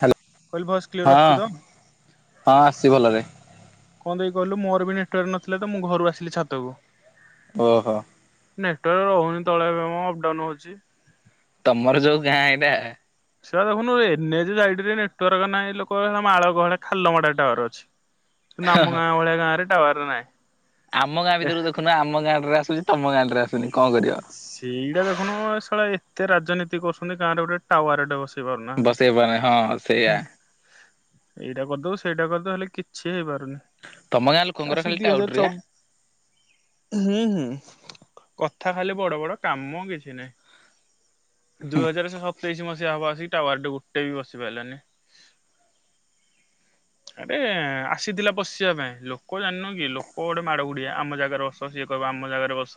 Hello କୋଇଲ୍ voice clear ହଁ ଆସୁଛି ତ। ହଁ ଆସଛି ଭଲରେ କାହିଁ କହିଲୁ ମୋର ବି ନେଟୱର୍କ ନଥିଲା ତ ମୁଁ ଘରୁ ଆସିଲି ଛାତକୁ ଓହୋ। ନେଟୱାର୍କ ରହୁନି ତଳେ ଅପଡାଉନ ହଉଛି। ତମର ଯୋଉ ଗାଁ ଏଇବେ ସେ ଦେଖୁନୁ ଏନ୍ ଏଚ୍ ସାଇଡରେ ନେଟୱର୍କ ନାହିଁ ଲୋକ ମାଳ ଗହଳି ଖାଲ ମଟା ଟର ଅଛି। ନାମ ଗାଁ ଭଳିଆ ଗାଁ ରେ ା ବ ନାହିଁ। ଆମ ଗାଁ ଭିତରକୁ ଦେଖୁନ ଆମ ଗାଁ ରେ ଆସୁ ତମ ଗାଁରେ ଆସୁନି। କଣ କରିବ ସେଇଟା ଦେଖୁନୁ ଏ ସଳେ ଏତେ ରାଜନୀତି କରୁଛନ୍ତି ଗାଁରେ ଗୋଟେ ଟାୱାର ଟେ ବସେଇ। [inaudible] ହାନ୍ତି ବସେଇ ପାରୁନି ହଁ ସେଇଆ ଏଇଟା କରିଦେବ ସେଇଟା କରିଦବ ହେଲେ ିଏ ହେଇବା। ତମ ଗାଁ ଲୋକଙ୍କର ଆସି ଖାଲି ଦୁଇ ଟାଉଟୁ ହଜାର ରେ ଚପ୍ ହୁଁ ହୁଁ। କଫ କଥା ଖାଲି ବଡ଼ ବଡ଼ କାମ କିଛି ନାହିଁ। ଦୁଇ ହଜାର ସେ ସତେଇଶ ମସ ଯିଏ ହବ ଆସିକି ଟାୱାର୍ ଟେ ଗୋଟେ ବି ବସି ପାଇଲାନି, ଆରେ ଆସିଥିଲା ବସିବା ପାଇଁ ଲୋକ ଜାଣିନ କି ଲୋକ ଗୋଟେ ମାଡ ଗୁଡିଆ ଆମ ଜାଗାରେ ବସ ସିଏ କହିବ ଆମ ଜାଗାରେ ବସ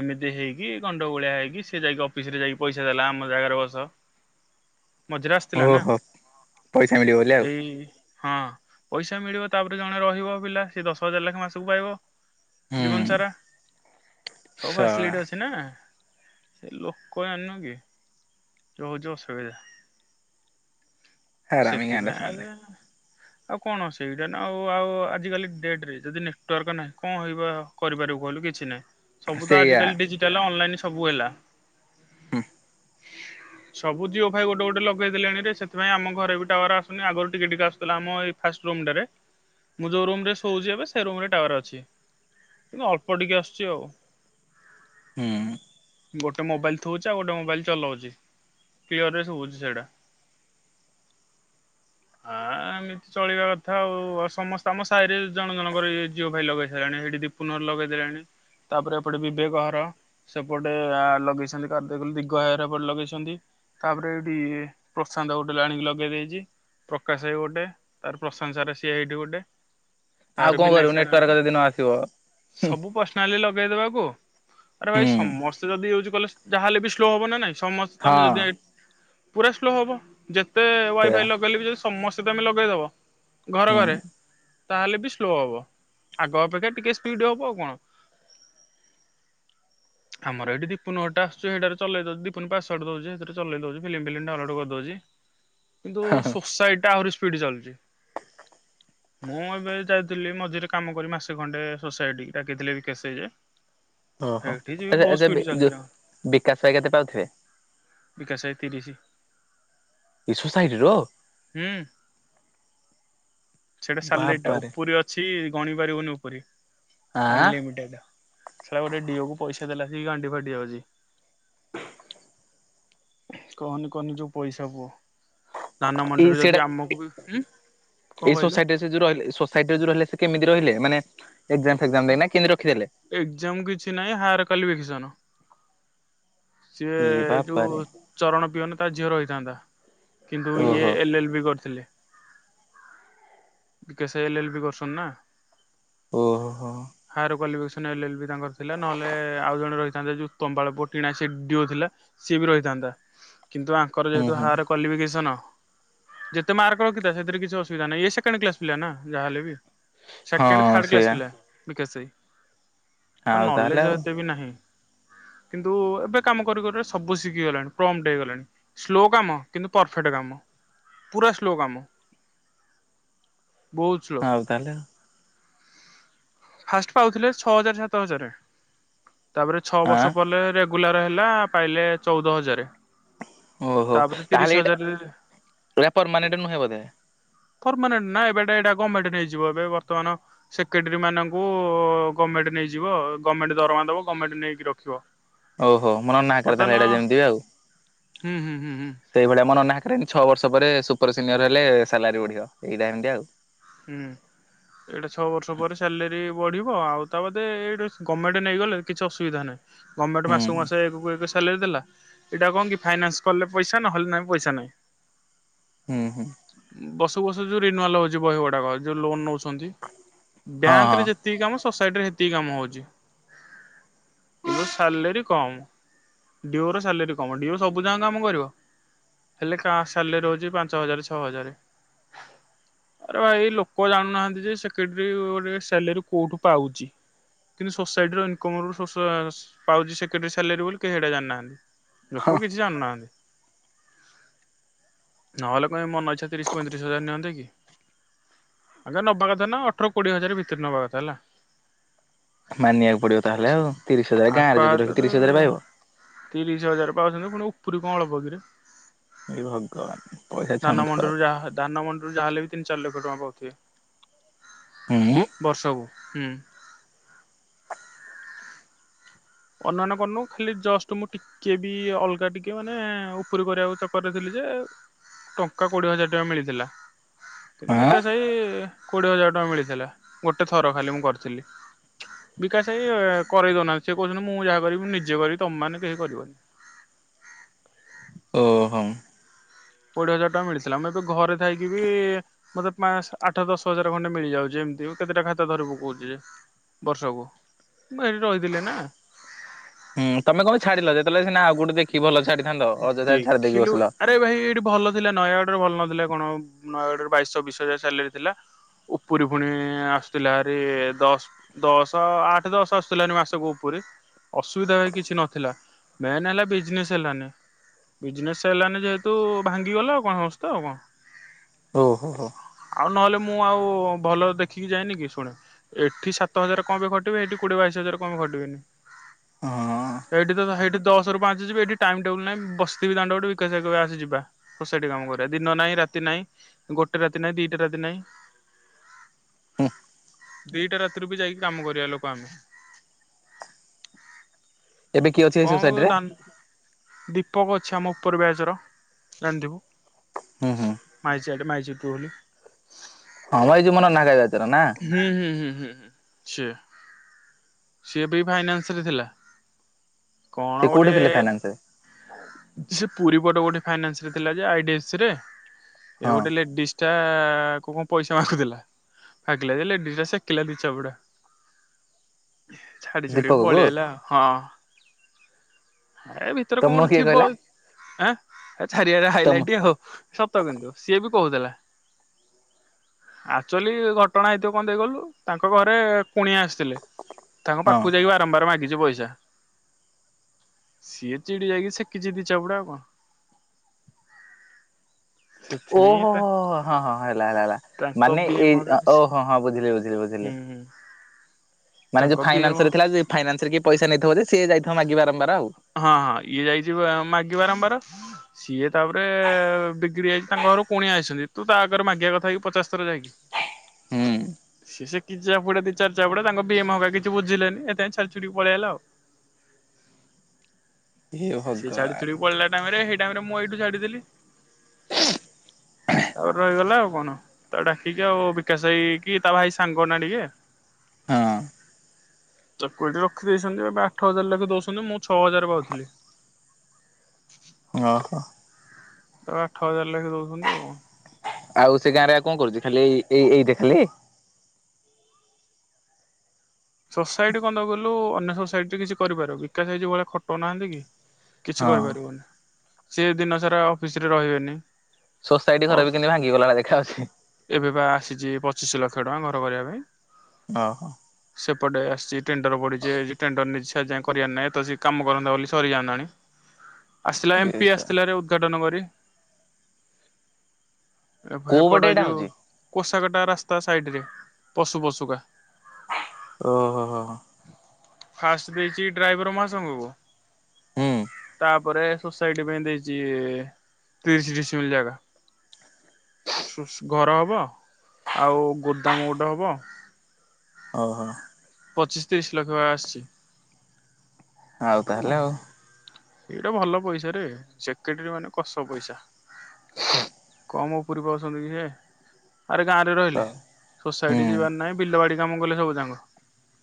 ଏମିତି ହେଇକି ଗଣ୍ଡଗୋଳିଆ ହେଇକି ସିଏ ଯାଇକି ଅଫିସ୍ ରେ ଯାଇକି ପଇସା ଦେଲା ଆମ ଜାଗାରେ ବସ। ମଝିରେ ଆସିଥିଲା ନା ଓହୋ ପଇସା ମିଳିବ ବୋଲି ଆଉ ଏଇ ହଁ ପଇସ ସା ମିଳିବ ତାପରେ ଜଣେ ରହିବ ପିଲା ସେ ଦଶ ହଜାର ଲେଖା ମାସକୁ ପାଇବ। ଜୀବନ ହୁଁ ସାରା ସବୁ ଶଳା ଫାସିଲିଟି ଅଛି ନା। ସେ ଲୋକ ପୁଅ ଜାଣିନୁକି ଯୋ ହଉଚୁ ଅସୁବିଧା। ହାରାମି ଗାଁ ଟା ସେଥିପାଇଁ ସେମାନେ ଆରେ ଆଉ କଣ ସେଇଟା ନା ଆଉ ଆଉ ଆଜିିକାଲି ଡେଟ୍ ରେ ଯଦି ନେଟୱାର୍କ ନାହିଁ କଣ ହେଇବା କରିପାରିବୁ କହିଲୁ କିଛି ନାହିଁ। ସବୁ ତ ସେଇଆ ଆଜିିକାଲି ଡିଜିଟାଲ୍ ଅନଲାଇନ୍ ସବୁ ହେଲା। ହୁଁ ସବୁ ଜିଓ ଫାଇ ଗୋଟେ ଗୋଟେ ଲଗେଇ ଦେଲେଣି ରେ ସେଥିପାଇଁ ଆମ ଘରେ ବି ଟାୱାର୍ ଆସୁନି, ଆଗରୁ ଟିକେ ଟିକେ ଆସୁଥିଲା ଆମ ଏଇ ଫାଷ୍ଟ ରୁମ୍ ଟରେ, ମୁଁ ଯୋଉ ରୁମ୍ ରେ ଶୋଉଚି ଏବେ ସେ ରୁମ୍ ରେ ଟାୱାର୍ ଅଛି, କିନ୍ତୁ ଅଳ୍ପ ଟିକେ ଆସୁଚି ଆଉ। ହୁଁ। ବଟ୍ ତ ମୋବାଇଲ୍ ଥୁଉଚି, ଆଉ ଗୋଟେ ମୋବାଇଲ୍ ଚଲଉଚି, କ୍ଲିଅର୍ ରେ ଶୁଭୁଛି ସେଇଟା ଆ, ଏମିତି ଚଳିବା କଥା ଆଉ ସମସ୍ତେ ଆମ ସାହିରେ ଜଣ ଜଣଙ୍କର ଇଏ ଜିଓ ଫାଇ ଲଗେଇ ସାଇଲେଣି, ସେଠି ଦୀପୁନ ଘର ଲଗେଇ ଦେଲେଣି, ତାପରେ ଏପଟେ ବିବେକ ଘର, ସେପଟେ ଆଲୋ ଲଗେଇଛନ୍ତି କାର ଦେଖିଲୁ ଦିଗ ଭାଇ ଘର ଏପଟେ ଲଗେଇଛନ୍ତି, ତାପରେ ଏଇଠି ଇଏ ପ୍ରଶାନ୍ତ ଗୋଟେ ବି ଆଣିକି ଲଗେଇ ଦେଇଚି, ପ୍ରକାଶ ଭାଇ ଗୋଟେ ତାପରେ ପ୍ରଶାନ୍ତ ସାର୍ ସିଏ ଏଇଠି ଗୋଟେ। ଆଉ ତାପରେ କଣ ବିନୟ କରିବୁ ସାର୍ ଘର ନେଟୱାର୍କ ଯଦି ନ ଆସିବ ସବୁ ପର୍ସନାଲି ଲଗେଇଦବାକୁ ଆରେ ହୁଁ ଭାଇ ସମସ୍ତେ ଯଦି ୟୁଜ୍ କଲେ ଯାହା ହେଲେ ବି ସ୍ଲୋ ହବ ନା ନାଇଁ। ସମସ ତମେ ହଁ ଯଦି ଆଇ ପୁରା ସ୍ଲୋ ହବ ଯେ ସେ ସେଇଆ ୱାଇଫାଇ ଲଗେଇଲେ ବି ଯଦି ସୋ ସମସ୍ତେ ତୋମେ ଲଗେଇଦବ ଘରେ ହୁଁ ଘରେ ହଁ ତାହେଲେ ବି ସ୍ଲୋ ହବ ଆଗ ଅପେକ୍ଷା ଟିକେ ସ୍ପିଡ୍ ହବ ଆଉ କଣ ।ଆମର ଏଇଠି ଦିପୁନ ଘ ଟା ଆସୁଛି, ହେଇଟାରେ ଚଲେଇ ଦଉଚି, ଦିପୁନ ପାସୱାର୍ଡ୍ ଦଉଚି, ହେଇଥିରେ ଚଲେଇଦଉଚି ଫିଲିମ ଫିଲିମ ଡାଉନଲୋଡ଼୍ କରିଦଉଚି। କିନ୍ତୁ ହଁ ସୋସାଇଟା ଆହୁରି ସ୍ପିଡ୍ ଚାଲୁଚି, ମୁଁ ଏବେ ଯାଇଥିଲି ମଝିରେ କାମ କରି ମାସ ଖଣ୍ଡେ ସୋସାଇଟି ଡାକିଥିଲେ ବିକାଶ ଭାଇ ଯେ। ଓ ହୋ ସେଇଠି ଯିବି ବହୁତ ସ୍ପିଡ ଏ-ଏଯାବେ ଯୋ ଚାଲିଛି ଆମର ବିକାଶ ଭାଇ କେତେ ପାଉଥିବେ? ତିରିଶି। ଏ ସୋସାଇଟିର। ସେଟା ସାଲେରିଟା ବାବାରେ ଉପରି ଅଛି ଗଣି ପାରିବୁନି ଉପୁରି ଆଁ ଅନଲିମିଟେଡ଼୍। ଶଳା ଗୋଟେ ଡିଓ କୁ ପଇସା ଦେଲା ସେ ଗାଣ୍ଡି ଫାଟି ଯାଉଚି, କହନି କହନି ଯୋଉ ପଇସା ପୁଅ ଧାନ ଏଇ ମଣ୍ଡିରେ ଯଦି ସେଇଟା ଆମକୁ ବି ହୁଁ। ଏଇ ସୋସାଇଟିରେ ସେ ଯଉ ରହିଲେ ସୋସାଇଟିରେ ଯଉ ରହିଲ ସେ କେ ମିତି ରହିଲେ ମାନେ। ଏକ୍ଜାମଫେକ୍ଜାମ୍ ଦେଇ ନା କେମିତି ରଖିଦେଲେ? କ୍ଵାଲିଫିକେସନ। ସିଏ ଇ ଏଇ ବାପାରେ ଯୋଉଉଉ ଚରଣ। ପିଅନ ତା ଝିଅର ହେଇଥାନ୍ତା। କିନ୍ତୁ ଇଏ ଓହୋ ଏଲ ଏଲ୍ ବି କରିଥିଲେ। ବିକେ ସେ ଏଲ ଏଲ ବି କରୁଛନ୍ତି ନା। ଓହୋଃ। ନ ଏଲ୍ ଏଲ୍ ବି ତାଙ୍କର ଥିଲା ନହେଲେ ଆଉ ଜଣେ ରହିଥାନ୍ତେ ଯଉ ତମ୍ବାଳ ପୁଅ ଟିଣା। ସେ ଡିଓ ଥିଲା ସିଏ ବି ରହିଥାନ୍ତା। କିନ୍ତୁ ଆଙ୍କର ହୁଁ ଯେହେତୁ ହୁଁ ହାୟାର୍ କ୍ୱାଲିଫିକେସନ ଯେତେ ମାର୍କ ରଖିଥା ସେଥିରେ କିଛି ଅସୁବିଧା ନାହିଁ, ଇଏ ସେକେଣ୍ଡ୍ କ୍ଲାସ୍ ପିଲା ନା ଯାହାହଲେ ବି। ସେକେଣ୍ଡ୍ ହଁ ଥାର୍ଡ୍ କ୍ଲାସ୍ ସେଇଆ ପିଲା ବିକାଶ ଭାଇ। ତ ଆଉ ତାହେଲେ ନଲେଜ ଆଉ ଏତେ ବି ନାହିଁ। କିନ୍ତୁଉଉ ଏବେ କାମ କରୁ କରୁ [inaudible] ସବୁ ଶିଖିଗଲାଣି ପ୍ରମ୍ପଟ୍ ହେଇଗଲାଣି, ସ୍ଲୋ କାମ କିନ୍ତୁ ପରଫେକ୍ଟ୍ କାମ ପୁରା ସ୍ଲୋ କାମ। ବହୁତ ସ୍ଲୋ। ଆଉ ତାହଲେ। ଫାଷ୍ଟ୍ ପାଉଥିଲେ ଛଅ ହଜାର ସାତ ହଜାରେ। ତାପରେ ଛଅ ବର୍ଷ ଆଉ ପଲେ ରେଗ୍ ଗୁଲାର ହେଲା, ପାଇଲେ ଚଉଦ ହଜାର। ଓହୋଃ ତାପରେ ତିରିଶ ତାହେଲେ ଏଇଟା, ହଜାର ଏଇଟା ପରମାନେଣ୍ଟ୍ ନୁହେଁ ବୋଧେ? ପରମାନେଣ୍ଟ୍ ନା ଏବେଟା ଏଇଟା ଗମେଣ୍ଟ୍ ନେଇଯିବ ଏବେ ବର୍ତ୍ତମାନ ସେକ୍ରେଟାରୀ ମାନଙ୍କୁ ଗମେଣ୍ଟ୍ ନେଇଯିବ, ଗମେଣ୍ଟ ଦରମା ଦବ। ଗମେଣ୍ଟ୍ ନେଇକି ରଖିବ। ଓହୋଃ ମନ ନାଁ କରିଦେଲା ବର୍ତ୍ତମାନ ହେଇଟା ଯେମିତି ଆଉ, ହୁଁ ହୁଁ ହୁଁ ହୁଁ ସେଇଭଳିଆ ମନ ନାହା [inaudible] ଛଅ ବର୍ଷ ପରେ ସୁପର୍ ସିନିୟର୍ ହେଲେ ସାଲାରୀ ବଢିବ, ଏଇଟା ହେମିତି ଆଉ। ହୁଁ ଏଇଟା ଛଅ ବର୍ଷ ପରେ ସାଲାରୀ ବଢ଼ିବ, ଆଉ ତା ବାଦେ ଏଇଟା ଗମେଣ୍ଟ ନେଇଗଲେ କିଛି ଅସୁବିଧା ନାହିଁ। ଗମେଣ୍ଟ୍ ହୁଁ ମାସକୁ ମାସ ହୁଁ ଏକକୁ ଏକ ସାଲାରୀ ଦେଲା, ଏଇଟା କଣ କି ଫାଇନାନ୍ସ୍ କଲେ ପଇସା ନହେଲେ ନାହିଁ ପଇସା ନାହିଁ। ହୁଁ ହୁଁ। ବର୍ଷକୁ ବର୍ଷ ଯୋଉ ରିନ୍ୟୁଆଲ ହଉଛି ବହି ଗୁଡାକ ଯୋଉ ଲୋନ୍ ନଉଚ ଛନ୍ତି ହଁ ହଁ ବ୍ୟାଙ୍କରେ ଯେତିକି କାମ ସ ସାଇଟରେ ସେତିକି କାମ ହଉଚି, କିନ୍ତୁ ସାଲାରୀ କମ୍ ଡିଓର ସାଲାରୀ କମ୍, ଡିଓ ସବୁଯାକ କାମ କରିବ ହେଲେ କା ସାଲାରୀ ହେଉଚି ପାଞ୍ଚ ହଜାର ଛ ଛଅ ହଜାରେ, ଆରେ ଭାଇ ଲୋକ ଜାଣୁନାହାନ୍ତି ଯେ ସେକ୍ରେଟେରୀ ଗୋଟେ ସାଲାରୀ କୋଉଠୁ ପାଉଛି, ‌କିନ୍ତୁ ସୋସାଇଟିର ଇନକମ୍ ଅଫ୍ ସୋର୍ସ ପାଉଛି ସେକ୍ରେଟେରୀ ସାଲାରୀ ବୋଲି କେହି ସେଇଟା ଜାଣିନାହାନ୍ତି। ଲୋକ ହଁ କିଛି ଜାଣୁନାହାନ୍ତି ନହେଲେ କ ମନ ଇଚ୍ଛା ତିରିଶ ପଇଁତିରିଶ ହଜାର ନିଅନ୍ତି କି? ଆକା ନବା କଥା ନା ଅଠର କୋଡ଼ିଏ ହଜାର ଭିତରେ ନବା କଥା ହେଲା। ମାନିବାକୁ ପଡିବ ତାହେଲେ ଆଉ। ତିରିଶ ହଜାର ଆଙ୍କ ଗାଁରେ ଯଦି ରହିକି ହାତରେ ତିରିଶ ହଜାର ପାଇବ ପାଉଚନ୍ତି ପୁଣି ଉପୁରୀ କଣ ଅଳପ କିରେ? ହେ ଭଗବାନ ପଇସା ଧାନ ଛାଣୁଥିବ ମଣ୍ଡିରୁ ଯାହା ଧାନ ମଣ୍ଡିରୁ ଯାହା ହେଲେ ବି ତିନି ଚାରି ଲକ୍ଷ ଟଙ୍କା ପାଉଥୁବେ ଆଉ ହୁଁ ବର୍ଷକୁ ହୁଁ। ଅନୁମାନ କରୁନୁ ଖାଲି ଜଷ୍ଟ ମୁଁ ଟିକେ ବି ଅଲଗା ଟିକେ ମାନେ ଉପରି କରିବାକୁ ଚକରେ ଥିଲି ଯେ ଟଙ୍କା କୋଡିଏ ହଜାର ଟଙ୍କା ମିଳିଥିଲା କିନ୍ତୁ ଆଁ ବିକାଶ ଭାଇ କୋଡିଏ ହଜାର ଟଙ୍କା ମିଳିଥିଲା ଗୋଟେ ଥର ଖାଲି ମୁଁ କରିଥିଲି। ବିକାଶ ଭାଇ କରେଇ ଦୋଉନା ସେ କୋହୁଚନ୍ତି ମୁଁ ଯାହା କରିବି ନିଜେ କରିବି ତମେମାନେ କେହି କରିବନି। ଓହୋ। କୋଡିଏ ହଜାର ଟଙ୍କା ମିଳିଥିଲା ମୁଁ ଏବେ ଘରେ ଥାଇକି ବି ମତେ ପାଁଶ ଆଠ ଦଶ ହଜାର ଖଣ୍ଡେ ମିଳିଯାଉଚି ଯେମତି ହୋଉ କେତେଟା ଖାତା ଧରି ପକଉଚି ଯେ ବର୍ଷକୁ ମୁଁ ହେଇଠି ରହିଥିଲେ ନାଁ ହୁଁ ତମ କମାଇଁ ଛାଡିଲ ଯେତେବେଲେ ସିନା ଆଉ କୋଉଠି ଦେଖି ଭଲ ଛାଡ଼ି ଦେଖିଲୁ ଆରେ ଭାଇ ଏଇଠି ଭଲ ଥିଲା ନୟା ଟାରେ ଭଲ ନଥିଲା କଣ ହ ନୟାଅଡରେ ବାଇଶ ଚବିଶ ହଜାର ସାଲେରୀ ଥିଲା ଉପରି ପୁଣି ଆସୁଥିଲା ହାରି ଦଶ ଦଶ ଆଠ ଦଶ ଆସୁଥିଲା ହାରି ମାସକୁ ଉପରି ଅସୁବିଧା ଭାଇ କିଛି ନଥିଲା ମେନ୍ ହେଲା ବିଜନେସ ହେଲାନି। ବିଜନେସ୍ ହେଲାନି ଯେହେତୁ ଭାଙ୍ଗିଗଲା ଆଉ କଣ ସଂସ୍ତା ଆଉ କଣ। ହଉ ହ ହଉ। ଆଉ ନହେଲେ ମୁଁ ଆଉ ଭଲ ଦେଖିକି ଯାଏନି କି ଶୁଣ ଏଠି ସାତ ହଜାରରେ କଁ ପାଇଁ ଖଟିବି ଏଠି କୋଡିଏ ବାଇଶ ହଜାରେ କଁ ପାଇଁ ଖଟିବିନି। ହଁ ଏଇଠି ତ ହାଇଠି ଦଶରୁ ପାଞ୍ଚ ଯିବି ଏଠି ଟାଇମ ଟେବୁଲ୍ ନାହିଁ ବସଥିବି ଦାଣ୍ଡ ପଟେ ବିକାଶ ହାଇ କହିବେ ଆସ ଯିବା ସୋସାଇଟି କାମ କରିବା। ଦିନ ନାହିଁ ରାତି ନାହିଁ ଗୋଟେ ରାତି ନାହିଁ ଦିଟା ରାତି ନାହିଁ। ହୁଁ ଦିଟା ରାତିରୁ ବି ଯାଇକି କାମ କରିବା ଲୋକ ଆମେ। ଏବେ କିଏ ଅଛି ଏଇ କଣ କ ସୋସାଇଟିରେ? ଦାନ ଦୀପକ ଅଛି ଆମ ଉପର ବ୍ୟାଚର ଜାଣିଥିବୁ? ହୁଁ ହୁଁ। ମାଇଚିଆଟେ ମାଇଚେକି ବୋଲି ହଁ ଭାଇ ଯୋଉ ମାନଙ୍କ ନାଁ ଖାଇଯା ହୁଁ ହୁଁ ହୁଁ। ହୁଁ ହୁଁ ସିଏ। ସିଏ ବି ଫାଇନାନ୍ସରେ ଥିଲା। ସେ କଣ ଗୋଟେ କୋଉଠି ଥିଲେ ଫାଇନାନ୍ସ ରେ? ସେ ପୁରୀ ପଟ ଗୋଟେ ଫାଇନାନ୍ସରେ ଥିଲା ଯେ ଆଇ-ଡି-ଏଫ୍-ସି ରେ ଏ ହଁ ଗୋଟେ ଲେଡିସ୍ ଟା କୋମୁ ପଇସା ମାଗୁଥିଲା ମାଗିଲା ଯେ ଲେଡିଜଟା ସେକିଲା ଦି ଚାପୁଡ଼ା। ଛାଡି ଛାଡିକି ଦୀପକକୁ ପଳିଆଇଲା ଆଉ ହଁ। ଏ ଭିତରେ କଁ ତମକୁ ଗୋଟେ କିଏ ଥିବ କହିଲା ଏ ଆଁ ଛାଡ଼ିଆଇଲା ତମ ହାଇଲାଇଟ ଆଉ ସତ କିନ୍ତୁ ସିଏ ବି କହୁଥିଲା। ଆକ୍ଚୁଆଲି ଘଟଣା ହେଇଥିବ କଣ ଦେଖିକହିଲୁ ତାଙ୍କ ଘରେ କୁଣିଆ ଆସିଥିଲେ। ତାଙ୍କ ହଁ। ପାଖୁକୁ ଯାଇକି ବାରମ୍ବାର ମାଗି ଚି ପଇସା ସିଏ ଚିଡ଼ି ଯାଇକି ସେକିଚି ଦି ଚାପୁଡ଼ା ଆଉ କଣ। ସେଥିପାଇଁ ଓହୋ ତା ହୋ ହଁ ହଁ ହେଲା ହେଲା ହେଲା ତାଙ୍କ ମାନେ ବି ଏମ ଏଇ ହରିକା କିଛି ଓହୋ ହଁ ବୁଝିଲି ବୁଝ ହୁଁ ହୁଁ। ମାନେ ତାଙ୍କ ଯୋଉ ବି ଏମ ଫାଇନାନ୍ସରେ ଥିଲା ଯେ ଫାଇନାନ୍ସରେ କିଏ ପଇସା ନେଇ [unintelligible] ହଁ ହଁ ଇଏ ଯାଇଛି ମାଗ ବାରମ୍ବାର ସିଏ ତାପରେ ବଗି୍ରି ଯାଇଛି ତାଙ୍କ ଘର କୁଣିଆ ଆସିଛନ୍ତି। ତୁ ତା ଆଗରେ ମାଗିବା କଥା ହେକି ପଚାଶ ଥର ଯାଇକି। ହୁଁ। ସେ କିଜଡି ଦି ଚାରି ଚାପୁଡା ତାଙ୍କ ପିଏମ ମହଗା କିଛି ବୁଝିଲେନି ଏଥିଇଁ ଛାଦିଛୁଡା କି ପଳେଇଗଲା ଆଉ ହେ ସେ ଭଗବାନ। ଛାଡିଥି ପଳିଲା ଟାଇମ ରେ ମୁଁ ଏଇଠୁ ଛାଡିଦଥିଲି। ତାପରେ ରହିଗଲା ଆଉ କଣ ତା ଡାକିକି ଆଉ ବିକାଶ ହେଇକି ତା ଭାଇ ସାଙ୍ଗ ନା ଟିକେ ହଁ। ଚ କଟିି ରଖିଦେଇଛନ୍ତି ଏ ଆଠ ହଜାର ଲାଖେ ଦଉଛନ୍ତି ମୁଁ ଛଅ ହଜାର ପାଉଥିଲି। [inaudible] ଓ ହୋ ତା ଆଠ ହଜାର ଲେଖି ଦଉଛନ୍ତି ଆଉ କଣ? ଆଉ ସେ ଗାଁରେ ଆଉ କଣ କରୁଛି ଖାଲି ଏଇ ଏଇ ଏଇଟ ଖାଲି ସୋସାଇଟି କନ୍ଦ କଲୁ ଅ ସୋାଇଟିରେ କିଛି କରିପାର ବିକାଶ ହେଇ ଯ ଭଳିଆ ଖଟନାହାନ୍ତି କି କିଛି ହଁ। କରିପାରିବନି ସେ ଦିନ ସାରା ଅଫିସରେ ରହିବେନି। ସୋସାଇଟି ଘର ବି କେମତି ଭାଙ୍ଗିଗଲାଣି ଦେଖା ହାଉଛି। ଏବେ ବା ଆସିଛି ପଚିଶ ଲକ୍ଷ ଟଙ୍କା ଘର କରିବା ପାଇଁ ଓ ହୋ। ସେପଟେ ଆସିଛି ଟେଣ୍ଡର ପଡିଛି ଟେଣ୍ଡର ନି ସ ଯାଏ କରିବାରହି ଏ ତ ସେଏ କାମ କରନ୍ତା ବୋଲି ସରିଯାଆନ୍ତାଣି। ଆସିଥିଲା ଏମ୍ ପି ଇସ ଆସିଥିଲା ଉଦ୍ଘାଟନ କରି କେ ଏ କୋଉ ପଟେ ସେପଟେ ଏ ଏଇଟା ଯୋଉ ହଉଛି? କଷ ରା କଟା ରାସ୍ତା ସାଇଡ ରେ ପଶୁ ପଶୁକା ଓ ହୋ ହୋ ଫାଷ୍ଟ ଦେଇଛି ଡ୍ରାଇଭର ମା ସାଙ୍ଗକୁ ହୁଁ। ତାପରେ ସୋସାଇଟି ପାଇଁ ଦେଇଛି ତିରିଶ ଡିଶ ଜାଗା [unintelligible] ଘର ହେବ ଆଉ ଗୋଦାମ ଗୋଟେ ହେବ। ଓହୋ। ପଚିଶ ତିରିଶ ଲକ୍ଷ ଆସିଛି। ଆଉ ତାହେଲେ ଆଉ ଏଇଟା ଭଲ ପଇସା ରେ ସେକ୍ରେଟାରୀ ମାନେ କଷ ପଇସା। [inaudible] କମ୍ ଉପୁରୀ ପାଉଛନ୍ତି କି ସିଏ। ଆରେ ଗାଁରେ ତ ରହିଲେ ହୁଁ ସୋସାଇଟି ଯିବାର ନାହିଁ, ବିଲବାଡି କାମ କଲେ ସବୁଯାଙ୍କ।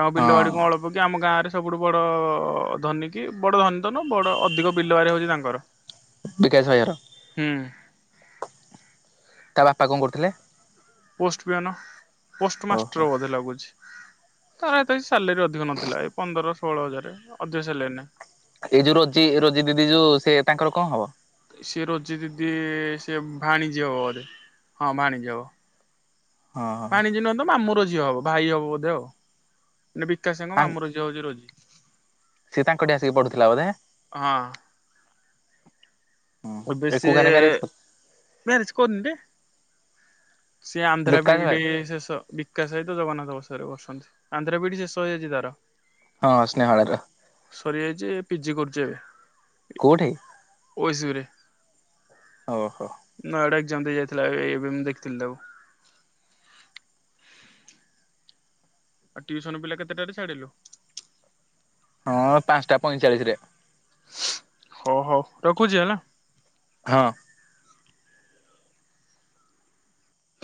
ତାଙ୍କ ବିଲ ବାଡି କଣ ହଁ। ଅଳପ କି ଆମ ଗାଁରେ ସବୁଠୁ ବଡ ଧନୀ କି ବଡ ଧନୀ ତ ବଡ ଅଧିକ ବିଲବାଡି ହଉଛି ତାଙ୍କର। ବିକାଶ ଭାଇ ଘର। ହୁଁ ତା ବାପା କଣ କରୁଥିଲେ? Post peon. ଓହୋ। ପୋଷ୍ଟମାଷ୍ଟର ବୋଧେ ଲାଗୁଛି। [unintelligible] ସାଲେରୀ ଅଧିକ ନଥିଲା ଏ ପନ୍ଦର ଷୋହଳ ହଜାର ଅଧିକ ସାଲେରୀ ନାହିଁ। ଏଇ ଯୋଉ ରୋଜି ରୋଜି ଦିଦି ଯୋଉ ସେ ତାଙ୍କର କଣ ହବ? ସେ ରୋଜି ଦିଦି ସେ ଭାଣିଯି ହବ ବୋଧେ ହଁ ଭାଣିଯି ହବ। ହଁ। ଭାଣିଜି ନୁହଁ ତ ମାମୁ ର ଝିଅ ହବ ଭାଇ ହବ ବୋଧେ ଆଉ। ବିକାଶ ଭାଇ ଙ୍କ ମାମୁ ର ଝିଅ ହୋଉଛି ରୋଜି। ସେ ତାଙ୍କଠୀ ଆସିକି ପଢୁଥିଲା ବୋଧେ? ହଁ ଏବେ ସେ ଏକୁଗାନି ମ୍ୟାରେଜ ମ୍ୟାରେଜ କରିନି ରେ। ସେ ଆନ୍ଧ୍ରା ବିକାଶ ବିଇଡ ଭାଇ ଶେଷ। ବିକାଶ ଭାଇ ତ ଜଗନ୍ନାଥ ବସ [unintelligible] ଆନ୍ଧ୍ରା ବିଇଡ ଶେଷ ହେଇ ଯାଇଛି ତାର। ହଁ। [unintelligible] ସରିଯାଇଛି ପିଜି କରୁଛି ଏବେ। କୋଉଠି? ଓ ଏସିବି ରେ। ଓହୋ। ଏଜ୍ଜାମ୍ ଦେଇ ଯାଇଥିଲା ଏବେ ମୁଁ ଦେଖ ଥିଲି ତାକୁ। ଆଉ ଟିଉସନ ପିଲା କେତେଟାରେ ଛାଡିଲୁ? ହଁ ପାଞ୍ଚଟା ପଇଁଚାଳିଶ ରେ। ହଉ ହଉ ରଖୁଛି ହେଲା। ହଁ।